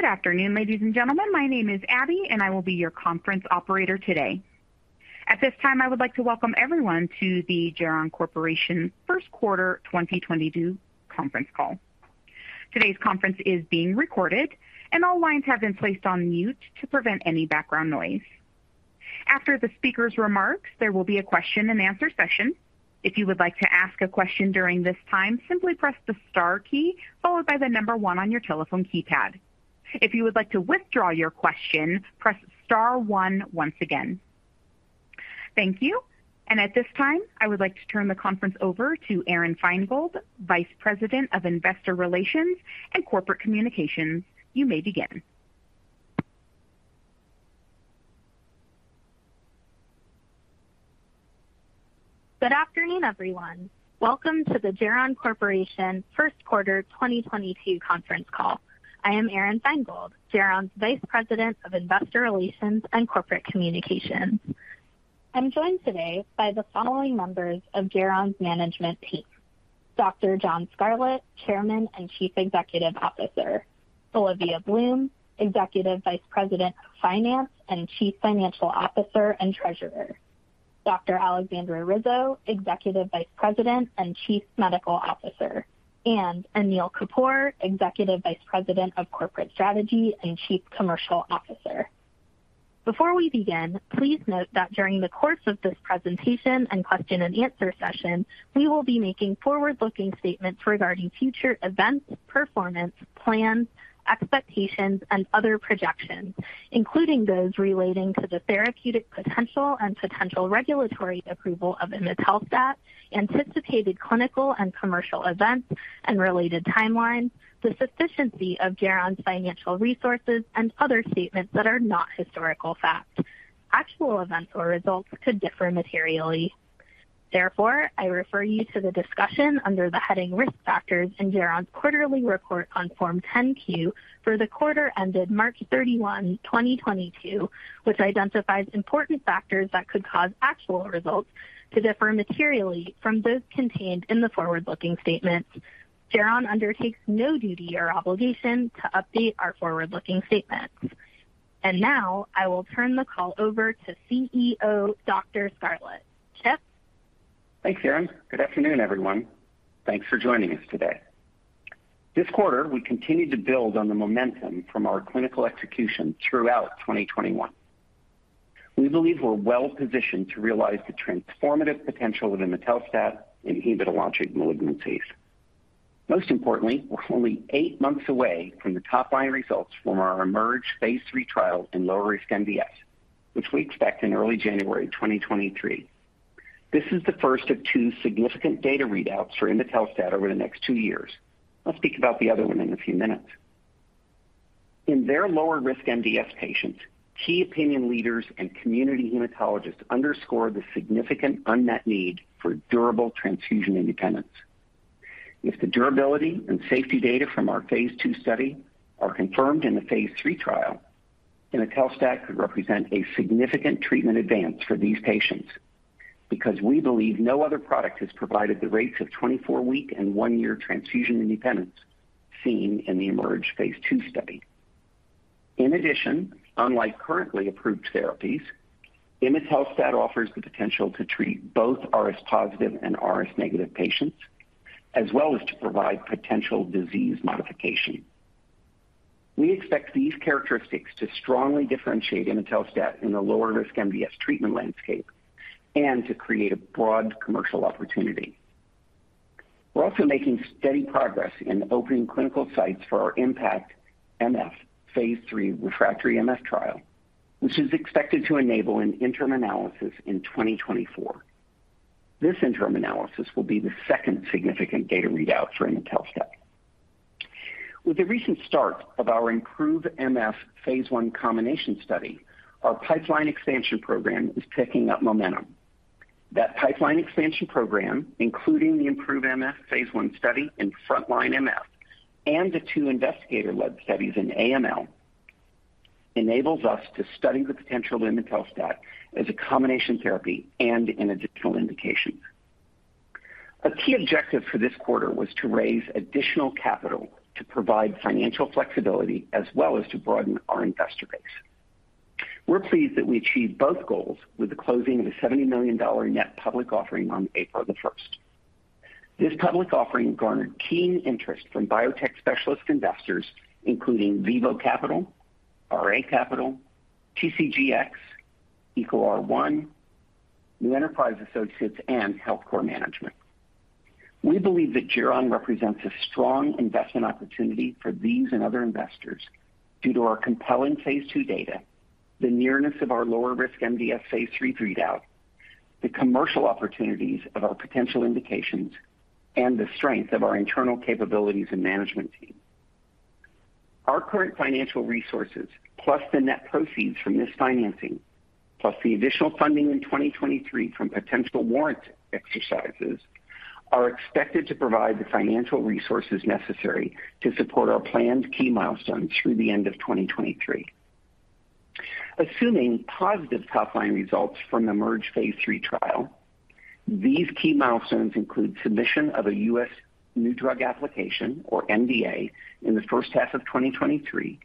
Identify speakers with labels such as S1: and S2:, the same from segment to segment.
S1: Good afternoon, ladies and gentlemen. My name is Abby, and I will be your conference operator today. At this time, I would like to welcome everyone to the Geron Corporation First Quarter 2022 conference call. Today's conference is being recorded, and all lines have been placed on mute to prevent any background noise. After the speaker's remarks, there will be a question-and-answer session. If you would like to ask a question during this time, simply press the star key followed by the number one on your telephone keypad. If you would like to withdraw your question, press star one once again. Thank you. At this time, I would like to turn the conference over to Aron Feingold, Vice President of Investor Relations and Corporate Communications. You may begin.
S2: Good afternoon, everyone. Welcome to the Geron Corporation First Quarter 2022 conference call. I am Aron Feingold, Geron's Vice President of Investor Relations and Corporate Communications. I'm joined today by the following members of Geron's management team. Dr. John Scarlett, Chairman and Chief Executive Officer; Olivia Bloom, Executive Vice President of Finance and Chief Financial Officer and Treasurer; Dr. Aleksandra Rizo, Executive Vice President and Chief Medical Officer; and Anil Kapur, Executive Vice President of Corporate Strategy and Chief Commercial Officer. Before we begin, please note that during the course of this presentation and question-and-answer session, we will be making forward-looking statements regarding future events, performance, plans, expectations, and other projections, including those relating to the therapeutic potential and potential regulatory approval of imetelstat, anticipated clinical and commercial events and related timelines, the sufficiency of Geron's financial resources and other statements that are not historical facts. Actual events or results could differ materially. Therefore, I refer you to the discussion under the heading Risk Factors in Geron's quarterly report on Form 10-Q for the quarter ended March 31, 2022, which identifies important factors that could cause actual results to differ materially from those contained in the forward-looking statements. Geron undertakes no duty or obligation to update our forward-looking statements. Now I will turn the call over to CEO John Scarlett. Chip?
S3: Thanks, Aron. Good afternoon, everyone. Thanks for joining us today. This quarter, we continued to build on the momentum from our clinical execution throughout 2021. We believe we're well-positioned to realize the transformative potential of imetelstat in hematologic malignancies. Most importantly, we're only eight months away from the top line results from our IMerge phase III trial in lower-risk MDS, which we expect in early January 2023. This is the first of two significant data readouts for imetelstat over the next two years. I'll speak about the other one in a few minutes. In their lower-risk MDS patients, key opinion leaders and community hematologists underscore the significant unmet need for durable transfusion independence. If the durability and safety data from our phase II study are confirmed in the phase III trial, imetelstat could represent a significant treatment advance for these patients because we believe no other product has provided the rates of 24-week and one-year transfusion independence seen in the IMerge phase II study. In addition, unlike currently approved therapies, imetelstat offers the potential to treat both RS-positive and RS-negative patients, as well as to provide potential disease modification. We expect these characteristics to strongly differentiate imetelstat in the lower-risk MDS treatment landscape and to create a broad commercial opportunity. We're also making steady progress in opening clinical sites for our IMpactMF phase III refractory MF trial, which is expected to enable an interim analysis in 2024. This interim analysis will be the second significant data readout for imetelstat. With the recent start of our IMproveMF phase I combination study, our pipeline expansion program is picking up momentum. That pipeline expansion program, including the IMproveMF phase I study in frontline MF and the two investigator-led studies in AML, enables us to study the potential of imetelstat as a combination therapy and in additional indications. A key objective for this quarter was to raise additional capital to provide financial flexibility as well as to broaden our investor base. We're pleased that we achieved both goals with the closing of a $70 million net public offering on April 1st. This public offering garnered keen interest from biotech specialist investors, including Vivo Capital, RA Capital, TCGX Crossover, EcoR1, New Enterprise Associates, and HealthCor Management. We believe that Geron represents a strong investment opportunity for these and other investors due to our compelling phase II data, the nearness of our lower-risk MDS phase III readout, the commercial opportunities of our potential indications, and the strength of our internal capabilities and management team. Our current financial resources, plus the net proceeds from this financing, plus the additional funding in 2023 from potential warrant exercises, are expected to provide the financial resources necessary to support our planned key milestones through the end of 2023. Assuming positive top-line results from the IMerge phase III trial, these key milestones include submission of a U.S. New Drug Application or NDA in the first half of 2023,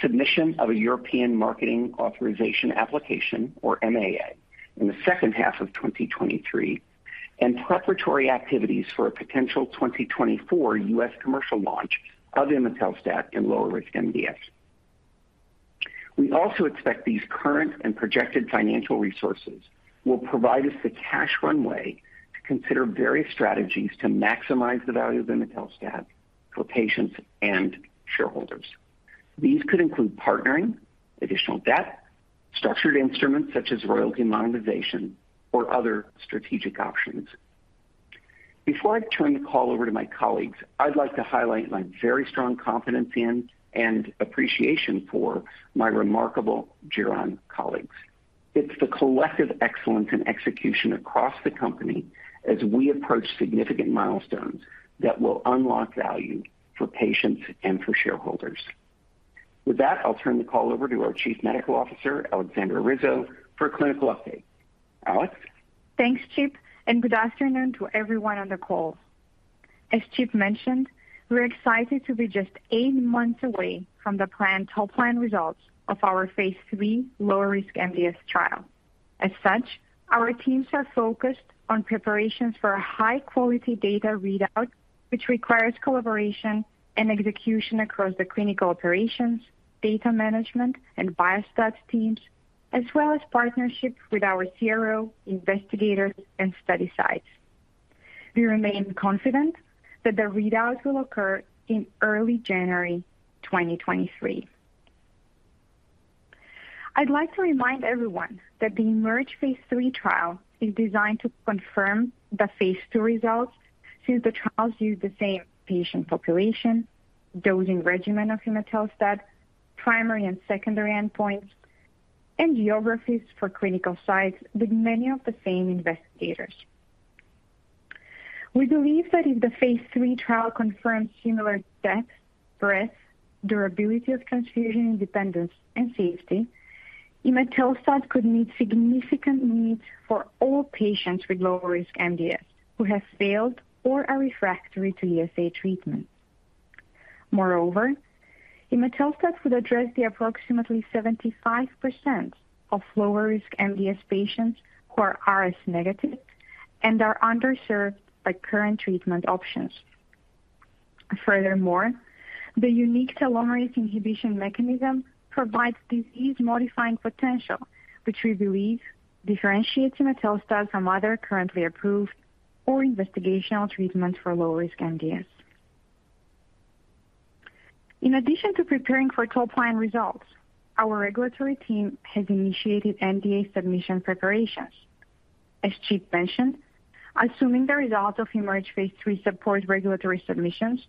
S3: submission of a European Marketing Authorization Application, or MAA, in the second half of 2023, and preparatory activities for a potential 2024 U.S. commercial launch of imetelstat in lower risk MDS. We also expect these current and projected financial resources will provide us the cash runway to consider various strategies to maximize the value of imetelstat for patients and shareholders. These could include partnering, additional debt, structured instruments such as royalty monetization or other strategic options. Before I turn the call over to my colleagues, I'd like to highlight my very strong confidence in and appreciation for my remarkable Geron colleagues. It's the collective excellence and execution across the company as we approach significant milestones that will unlock value for patients and for shareholders. With that, I'll turn the call over to our Chief Medical Officer, Aleksandra Rizo, for a clinical update. Aleks?
S4: Thanks, Chip, and good afternoon to everyone on the call. As Chip mentioned, we're excited to be just eight months away from the planned top-line results of our phase III lower-risk MDS trial. As such, our teams are focused on preparations for a high-quality data readout, which requires collaboration and execution across the clinical operations, data management and biostats teams, as well as partnerships with our CRO, investigators, and study sites. We remain confident that the readouts will occur in early January 2023. I'd like to remind everyone that the IMerge phase III trial is designed to confirm the phase II results since the trials use the same patient population, dosing regimen of imetelstat, primary and secondary endpoints, and geographies for clinical sites with many of the same investigators. We believe that if the phase III trial confirms similar depth, breadth, durability of transfusion independence, and safety, imetelstat could meet significant needs for all patients with lower risk MDS who have failed or are refractory to ESA treatment. Moreover, imetelstat could address the approximately 75% of lower risk MDS patients who are RS-negative and are underserved by current treatment options. Furthermore, the unique telomerase inhibition mechanism provides disease-modifying potential, which we believe differentiates imetelstat from other currently approved or investigational treatments for low-risk MDS. In addition to preparing for top-line results, our regulatory team has initiated NDA submission preparations. As Chip mentioned, assuming the results of IMerge phase III support regulatory submissions,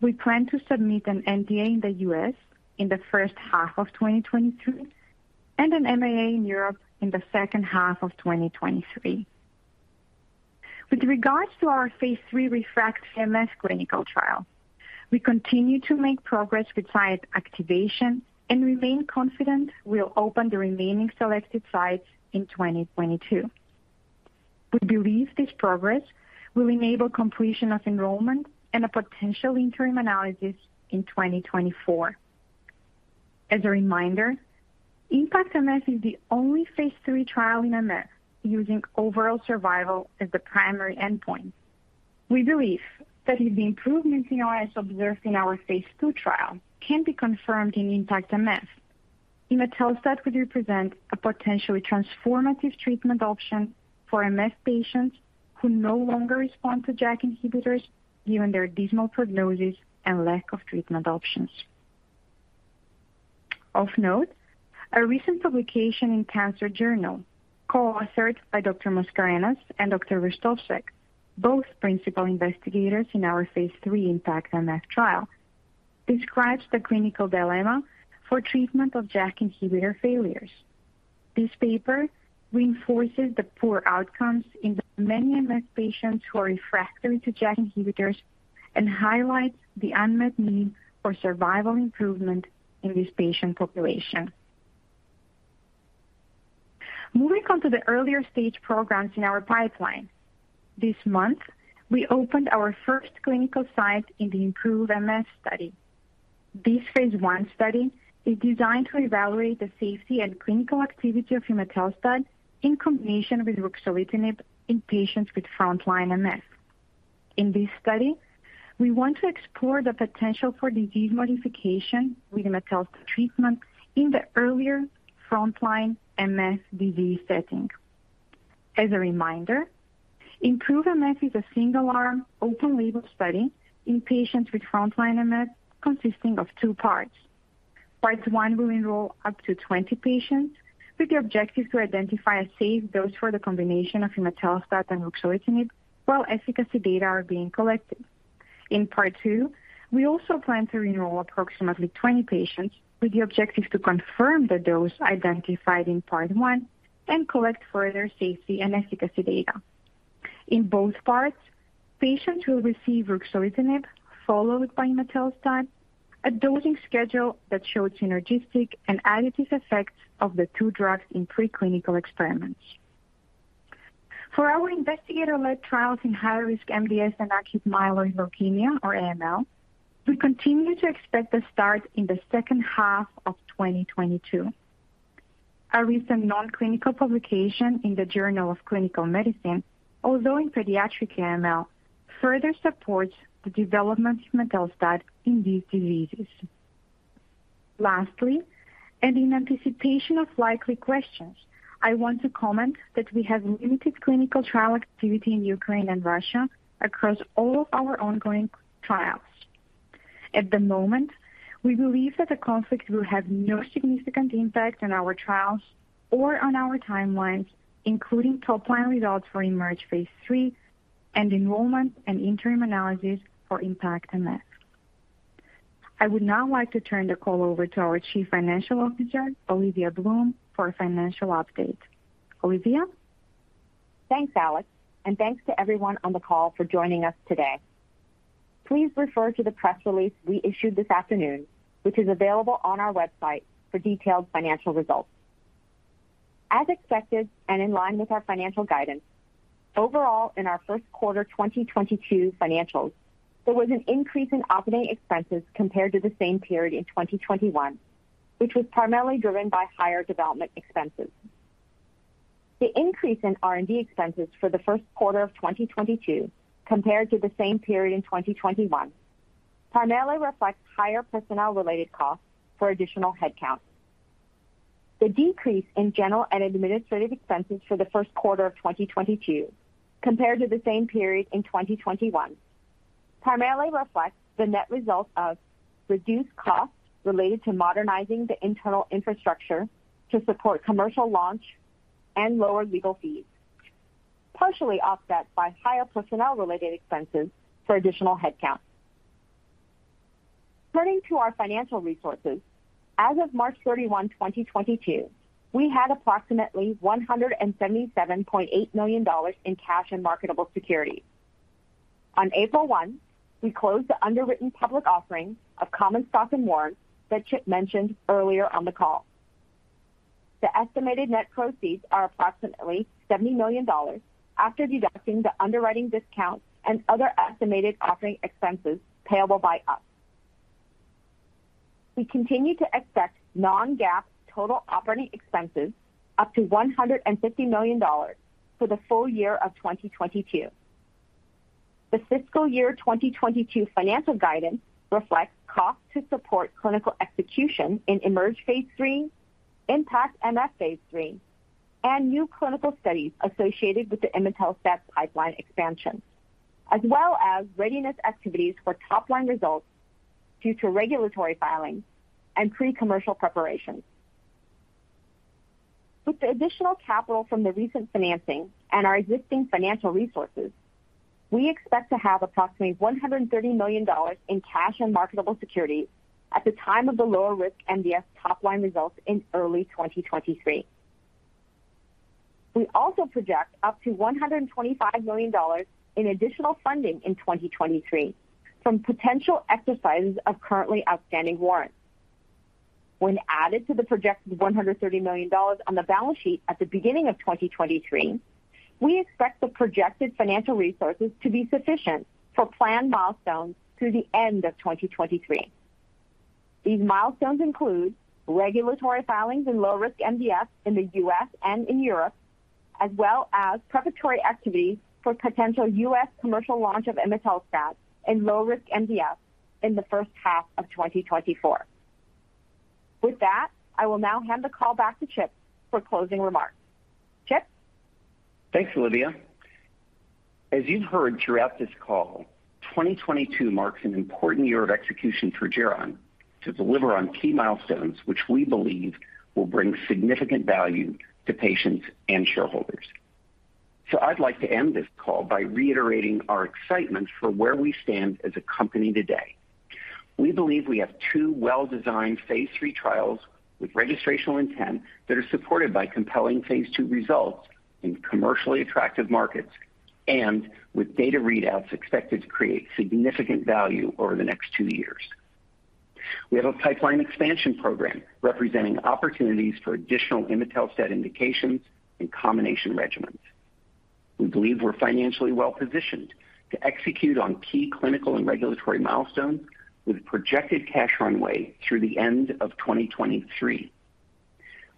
S4: we plan to submit an NDA in the U.S. in the first half of 2023 and an MAA in Europe in the second half of 2023. With regards to our phase III IMpactMF clinical trial, we continue to make progress with site activation and remain confident we'll open the remaining selected sites in 2022. We believe this progress will enable completion of enrollment and a potential interim analysis in 2024. As a reminder, IMpactMF is the only phase III trial in MF using overall survival as the primary endpoint. We believe that if the improvements in OS observed in our phase II trial can be confirmed in IMpactMF, imetelstat could represent a potentially transformative treatment option for MF patients who no longer respond to JAK inhibitors given their dismal prognosis and lack of treatment options. Of note, a recent publication in Cancer journal, co-authored by Dr. Mascarenhas and Dr. Verstovsek, both principal investigators in our phase III IMpactMF trial, describes the clinical dilemma for treatment of JAK inhibitor failures. This paper reinforces the poor outcomes in the many MF patients who are refractory to JAK inhibitors and highlights the unmet need for survival improvement in this patient population. Moving on to the earlier stage programs in our pipeline. This month, we opened our first clinical site in the IMproveMF study. This phase I study is designed to evaluate the safety and clinical activity of imetelstat in combination with ruxolitinib in patients with frontline MF. In this study, we want to explore the potential for disease modification with imetelstat treatment in the earlier frontline MF disease setting. As a reminder, IMproveMF is a single-arm, open-label study in patients with frontline MF consisting of two parts. Part one will enroll up to 20 patients with the objective to identify a safe dose for the combination of imetelstat and ruxolitinib while efficacy data are being collected. In part two, we also plan to enroll approximately 20 patients with the objective to confirm the dose identified in part one and collect further safety and efficacy data. In both parts, patients will receive ruxolitinib followed by imetelstat, a dosing schedule that showed synergistic and additive effects of the two drugs in pre-clinical experiments. For our investigator-led trials in high-risk MDS and acute myeloid leukemia or AML, we continue to expect the start in the second half of 2022. A recent non-clinical publication in the Journal of Clinical Medicine, although in pediatric AML, further supports the development of imetelstat in these diseases. Lastly, and in anticipation of likely questions, I want to comment that we have limited clinical trial activity in Ukraine and Russia across all of our ongoing trials. At the moment, we believe that the conflict will have no significant impact on our trials or on our timelines, including top-line results for IMerge phase III and enrollment and interim analysis for IMpactMF. I would now like to turn the call over to our Chief Financial Officer, Olivia Bloom, for a financial update. Olivia.
S5: Thanks, Aleks, and thanks to everyone on the call for joining us today. Please refer to the press release we issued this afternoon, which is available on our website for detailed financial results. As expected and in line with our financial guidance, overall, in our first quarter 2022 financials, there was an increase in operating expenses compared to the same period in 2021, which was primarily driven by higher development expenses. The increase in R&D expenses for the first quarter of 2022 compared to the same period in 2021 primarily reflects higher personnel-related costs for additional headcount. The decrease in general and administrative expenses for the first quarter of 2022 compared to the same period in 2021 primarily reflects the net result of reduced costs related to modernizing the internal infrastructure to support commercial launch and lower legal fees, partially offset by higher personnel-related expenses for additional headcount. Turning to our financial resources. As of March 31, 2022, we had approximately $177.8 million in cash and marketable securities. On April 1, we closed the underwritten public offering of common stock and warrants that Chip mentioned earlier on the call. The estimated net proceeds are approximately $70 million after deducting the underwriting discount and other estimated offering expenses payable by us. We continue to expect non-GAAP total operating expenses up to $150 million for the full year of 2022. The fiscal year 2022 financial guidance reflects costs to support clinical execution in IMerge phase III, IMpactMF phase III, and new clinical studies associated with the imetelstat pipeline expansion, as well as readiness activities for top line results due to regulatory filings and pre-commercial preparations. With the additional capital from the recent financing and our existing financial resources, we expect to have approximately $130 million in cash and marketable securities at the time of the lower risk MDS top line results in early 2023. We also project up to $125 million in additional funding in 2023 from potential exercises of currently outstanding warrants. When added to the projected $130 million on the balance sheet at the beginning of 2023, we expect the projected financial resources to be sufficient for planned milestones through the end of 2023. These milestones include regulatory filings in low risk MDS in the U.S. and in Europe, as well as preparatory activities for potential U.S. commercial launch of imetelstat in low risk MDS in the first half of 2024. With that, I will now hand the call back to Chip for closing remarks. Chip.
S3: Thanks, Olivia. As you've heard throughout this call, 2022 marks an important year of execution for Geron to deliver on key milestones, which we believe will bring significant value to patients and shareholders. I'd like to end this call by reiterating our excitement for where we stand as a company today. We believe we have two well-designed phase three trials with registrational intent that are supported by compelling phase two results in commercially attractive markets and with data readouts expected to create significant value over the next two years. We have a pipeline expansion program representing opportunities for additional imetelstat indications and combination regimens. We believe we're financially well-positioned to execute on key clinical and regulatory milestones with projected cash runway through the end of 2023.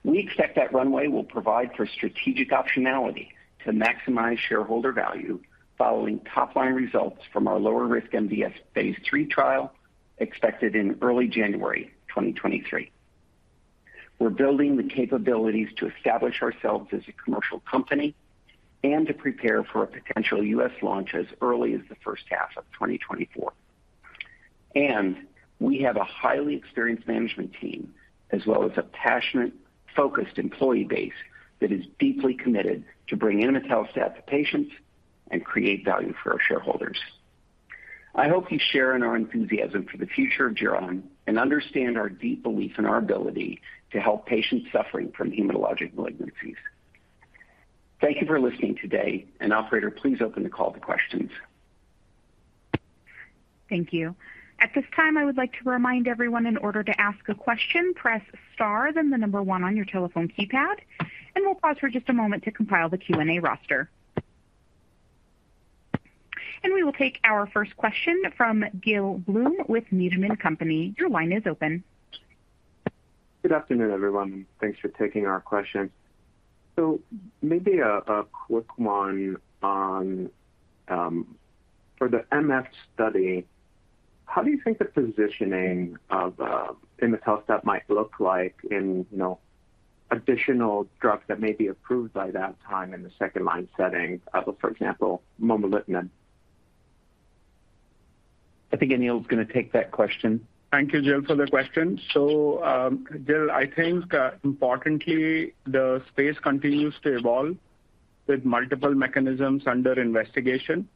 S3: We expect that runway will provide for strategic optionality to maximize shareholder value following top-line results from our lower-risk MDS phase III trial expected in early January 2023. We're building the capabilities to establish ourselves as a commercial company and to prepare for a potential U.S. launch as early as the first half of 2024. We have a highly experienced management team as well as a passionate, focused employee base that is deeply committed to bring imetelstat to patients and create value for our shareholders. I hope you share in our enthusiasm for the future of Geron and understand our deep belief in our ability to help patients suffering from hematologic malignancies. Thank you for listening today. Operator, please open the call to questions.
S1: Thank you. At this time, I would like to remind everyone in order to ask a question, press star, then the number one on your telephone keypad, and we'll pause for just a moment to compile the Q&A roster. We will take our first question from Gil Blum with Needham & Company. Your line is open.
S6: Good afternoon, everyone. Thanks for taking our question. Maybe a quick one on for the MF study, how do you think the positioning of imetelstat might look like in, you know, additional drugs that may be approved by that time in the second line setting of, for example, momelotinib?
S3: I think Anil is gonna take that question.
S7: Thank you, Gil, for the question. Gil, I think, importantly, the space continues to evolve with multiple mechanisms under investigation.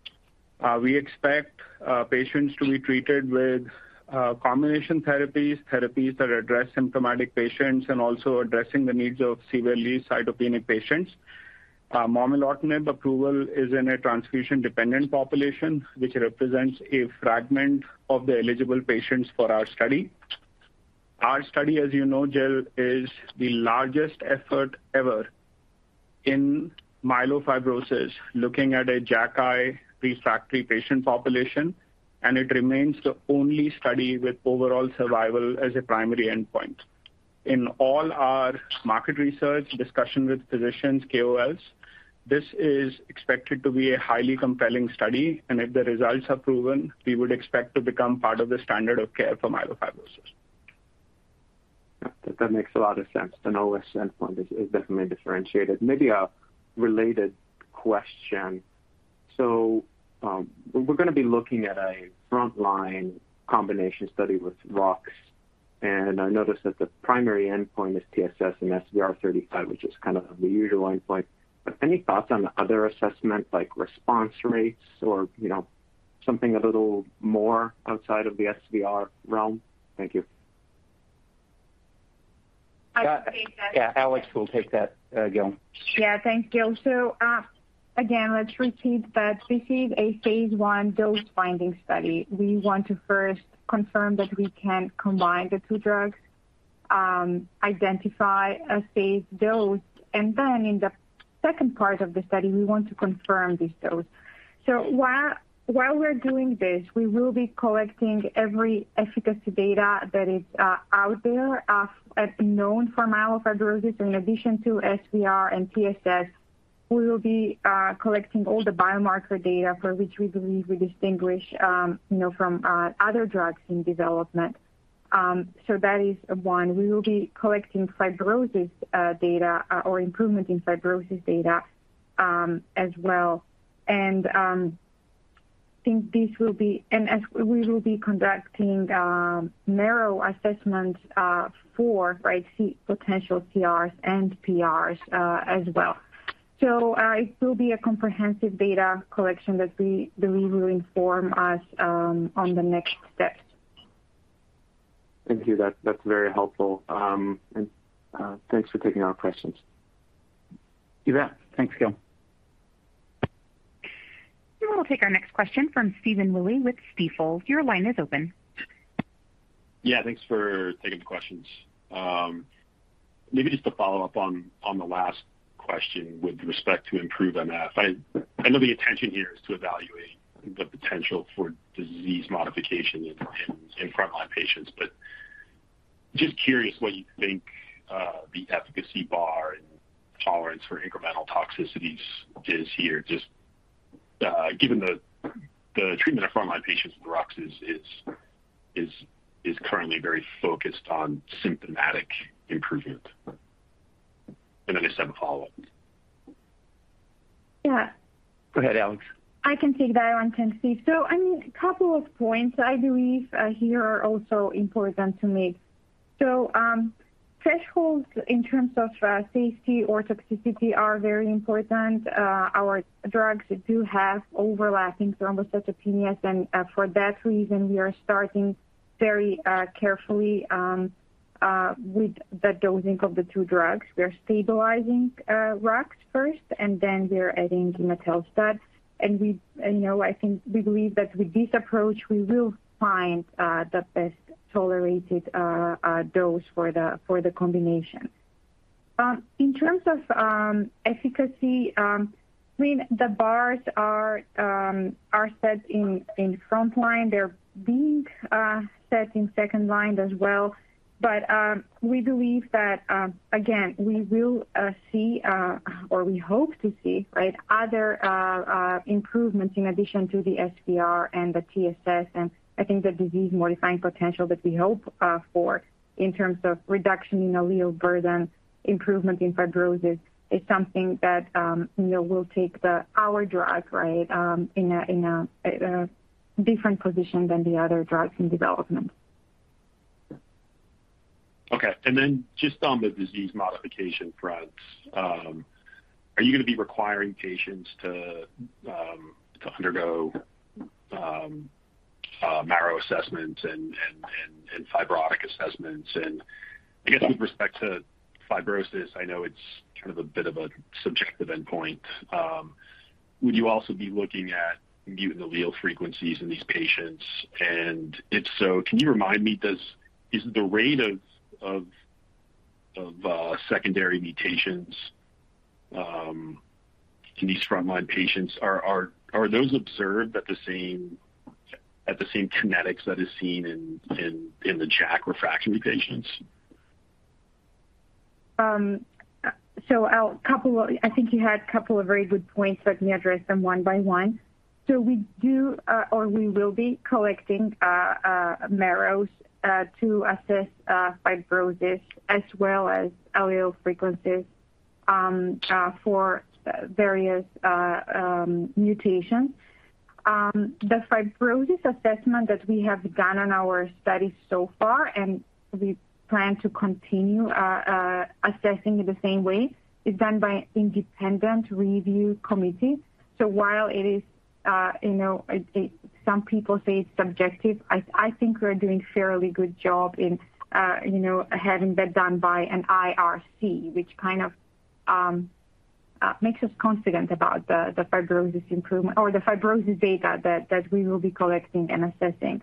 S7: We expect patients to be treated with combination therapies that address symptomatic patients and also addressing the needs of severely cytopenic patients. Momelotinib approval is in a transfusion-dependent population, which represents a fragment of the eligible patients for our study. Our study, as you know, Gil, is the largest effort ever in myelofibrosis, looking at a JAKi refractory patient population, and it remains the only study with overall survival as a primary endpoint. In all our market research, discussion with physicians, KOLs, this is expected to be a highly compelling study, and if the results are proven, we would expect to become part of the standard of care for myelofibrosis.
S6: That makes a lot of sense. An OS endpoint is definitely differentiated. Maybe a related question. We're gonna be looking at a frontline combination study with Rux, and I noticed that the primary endpoint is TSS and SVR35, which is kind of the usual endpoint. But any thoughts on other assessment like response rates or, you know, something a little more outside of the SVR realm? Thank you.
S3: Yeah. Aleks will take that, Gil.
S4: Yeah. Thanks, Gil. Again, let's repeat that this is a phase I dose-finding study. We want to first confirm that we can combine the two drugs, identify a safe dose, and then in the second part of the study, we want to confirm this dose. While we're doing this, we will be collecting every efficacy data that is out there known for myelofibrosis. In addition to SVR and TSS, we will be collecting all the biomarker data for which we believe we distinguish you know from other drugs in development. That is one. We will be collecting fibrosis data or improvement in fibrosis data as well. As we will be conducting marrow assessments for right potential CRs and PRs as well. It will be a comprehensive data collection that we believe will inform us on the next steps.
S6: Thank you. That's very helpful. Thanks for taking our questions.
S3: You bet. Thanks, Gil.
S1: We will take our next question from Stephen Willey with Stifel. Your line is open.
S8: Yeah, thanks for taking the questions. Maybe just to follow up on the last question with respect to IMproveMF. I know the intention here is to evaluate the potential for disease modification in frontline patients, but just curious what you think the efficacy bar and tolerance for incremental toxicities is here, just given the treatment of frontline patients with Rux is currently very focused on symptomatic improvement. I just have a follow-up.
S4: Yeah.
S3: Go ahead, Aleks.
S4: I can take that one, Stephen. I mean, a couple of points I believe here are also important to make. Thresholds in terms of safety or toxicity are very important. Our drugs do have overlapping thrombocytopenia, and for that reason, we are starting very carefully with the dosing of the two drugs. We are stabilizing Rux first, and then we're adding imetelstat. We, you know, I think we believe that with this approach, we will find the best tolerated dose for the combination. In terms of efficacy, I mean, the bars are set in frontline. They're being set in second line as well. We believe that, again, we will see or we hope to see, right, other improvements in addition to the SVR and the TSS. I think the disease-modifying potential that we hope for in terms of reduction in allele burden, improvement in fibrosis is something that, you know, will take our drug, right, in a different position than the other drugs in development.
S8: Then just on the disease modification front, are you gonna be requiring patients to undergo marrow assessments and fibrotic assessments? I guess with respect to fibrosis, I know it's kind of a bit of a subjective endpoint. Would you also be looking at mutant allele frequencies in these patients? If so, can you remind me, is the rate of secondary mutations in these frontline patients observed at the same kinetics that is seen in the JAK refractory patients?
S4: I think you had a couple of very good points, let me address them one by one. We do, or we will be collecting marrows to assess fibrosis as well as allele frequencies for various mutations. The fibrosis assessment that we have done on our study so far, and we plan to continue assessing it the same way, is done by independent review committees. While it is, you know, some people say it's subjective, I think we're doing fairly good job in, you know, having that done by an IRC, which kind of makes us confident about the fibrosis improvement or the fibrosis data that we will be collecting and assessing.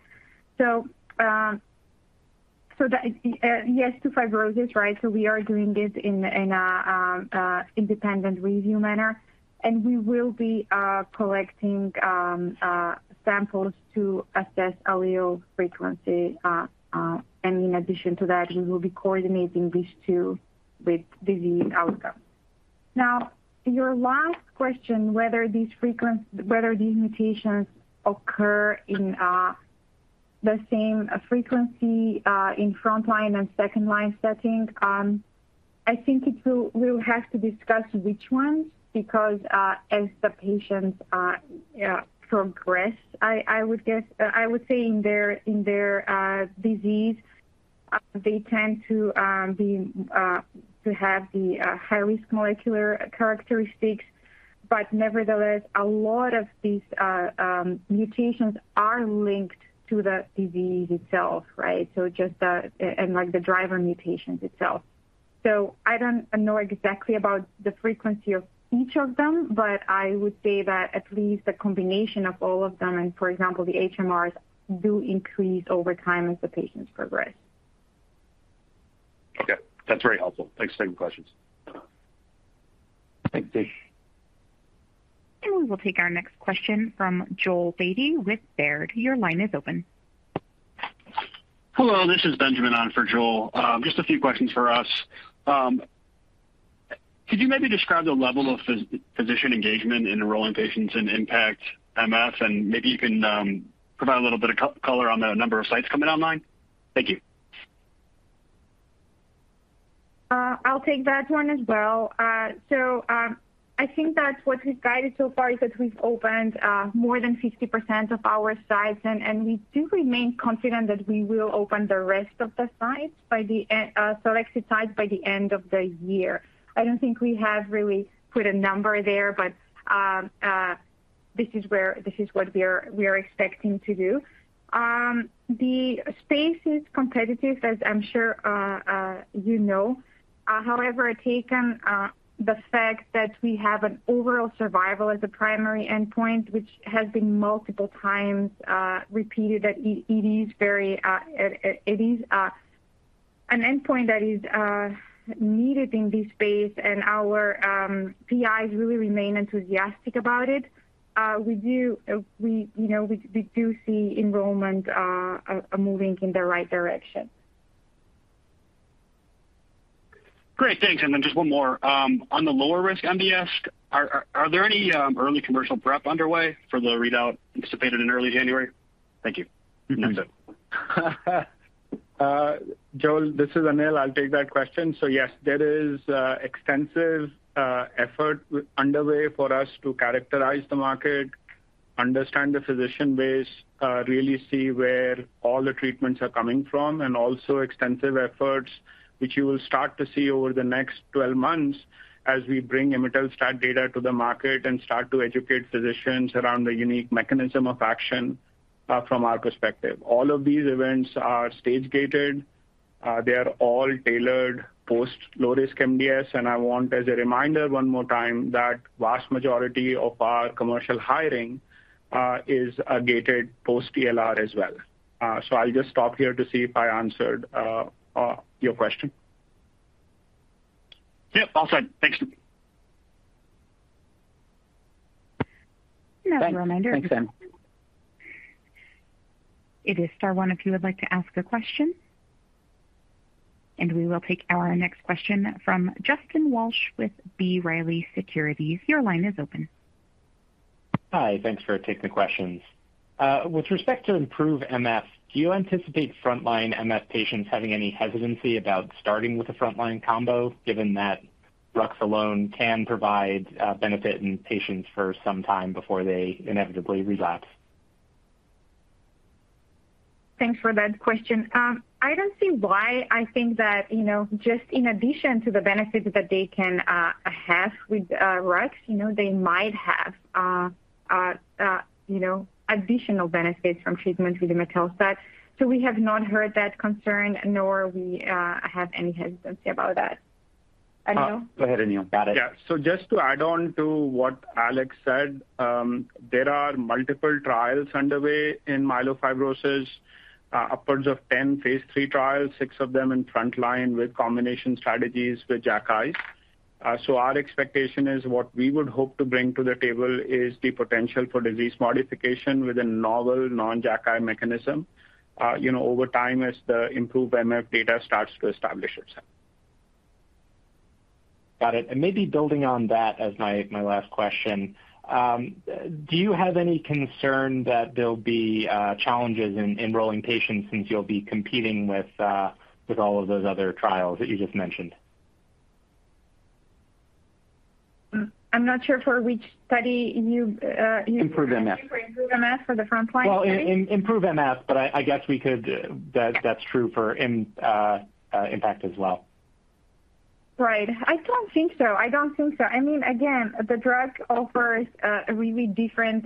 S4: Yes to fibrosis, right? We are doing it in a independent review manner, and we will be collecting samples to assess allele frequency. In addition to that, we will be coordinating these too with disease outcome. Now, your last question, whether these mutations occur in the same frequency in frontline and second-line setting. I think we'll have to discuss which ones because as the patients progress, I would say in their disease they tend to have the high-risk molecular characteristics. Nevertheless, a lot of these mutations are linked to the disease itself, right? Just and like the driver mutations itself. I don't know exactly about the frequency of each of them, but I would say that at least the combination of all of them and, for example, the HMRs do increase over time as the patients progress.
S8: Okay. That's very helpful. Thanks for taking the questions.
S3: Thanks.
S1: We will take our next question from Joel Beatty with Baird. Your line is open.
S9: Hello, this is Benjamin on for Joel. Just a few questions for us. Could you maybe describe the level of physician engagement in enrolling patients in IMpactMF? Maybe you can provide a little bit of color on the number of sites coming online. Thank you.
S4: I'll take that one as well. I think that what we've guided so far is that we've opened more than 50% of our sites, and we do remain confident that we will open the rest of the sites, selected sites by the end of the year. I don't think we have really put a number there, but this is what we're expecting to do. The space is competitive, as I'm sure you know. However, taking the fact that we have an overall survival as a primary endpoint, which has been multiple times repeated, that it is an endpoint that is needed in this space and our PIs really remain enthusiastic about it. We do see enrollment, you know, moving in the right direction.
S9: Great. Thanks. Then just one more. On the lower-risk MDS, are there any early commercial prep underway for the readout anticipated in early January? Thank you. That's it.
S7: Joel, this is Anil. I'll take that question. Yes, there is extensive effort underway for us to characterize the market, understand the physician base, really see where all the treatments are coming from, and also extensive efforts which you will start to see over the next 12 months as we bring imetelstat data to the market and start to educate physicians around the unique mechanism of action from our perspective. All of these events are stage-gated. They are all tailored post low-risk MDS. I want, as a reminder one more time, that vast majority of our commercial hiring is gated post TLR as well. I'll just stop here to see if I answered your question.
S9: Yep. All set. Thanks.
S1: As a reminder.
S7: Thanks, Ben.
S1: It is star one if you would like to ask a question. We will take our next question from Justin Walsh with B. Riley Securities. Your line is open.
S10: Hi. Thanks for taking the questions. With respect to IMproveMF, do you anticipate frontline MF patients having any hesitancy about starting with a frontline combo given that Rux alone can provide benefit in patients for some time before they inevitably relapse?
S4: Thanks for that question. I don't see why I think that, you know, just in addition to the benefits that they can have with Rux, you know, they might have additional benefits from treatment with imetelstat. We have not heard that concern, nor are we have any hesitancy about that. Anil?
S3: Go ahead, Anil. Got it.
S7: Just to add on to what Aleks said, there are multiple trials underway in myelofibrosis, upwards of 10 phase III trials, six of them in front line with combination strategies with JAKi. Our expectation is what we would hope to bring to the table is the potential for disease modification with a novel non-JAKi mechanism, you know, over time as the IMproveMF data starts to establish itself.
S10: Got it. Maybe building on that as my last question. Do you have any concern that there'll be challenges in enrolling patients since you'll be competing with all of those other trials that you just mentioned?
S4: I'm not sure for which study you
S10: IMproveMF.
S4: IMproveMF or the front line Anil?
S7: Well, in IMproveMF, but I guess that's true for IMpactMF as well.
S4: Right. I don't think so. I mean, again, the drug offers a really different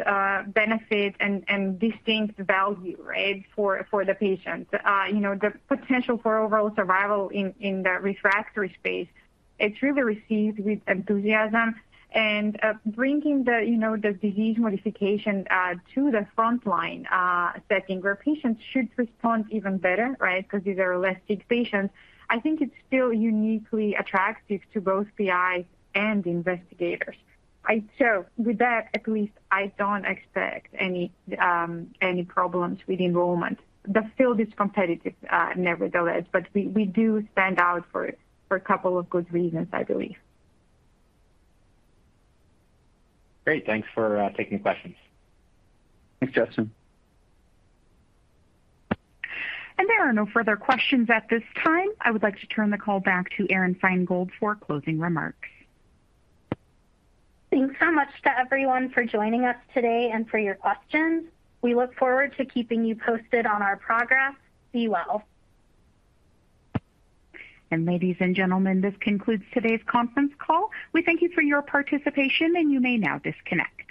S4: benefit and distinct value, right? For the patient. You know, the potential for overall survival in the refractory space is really received with enthusiasm and bringing the, you know, the disease modification to the front line setting where patients should respond even better, right? Because these are earlier patients. I think it's still uniquely attractive to both PIs and investigators. With that, at least I don't expect any problems with enrollment. The field is competitive, nevertheless, but we do stand out for a couple of good reasons, I believe.
S10: Great. Thanks for taking questions.
S7: Thanks, Justin.
S1: There are no further questions at this time. I would like to turn the call back to Aron Feingold for closing remarks.
S2: Thanks so much to everyone for joining us today and for your questions. We look forward to keeping you posted on our progress. Be well.
S1: Ladies and gentlemen, this concludes today's conference call. We thank you for your participation, and you may now disconnect.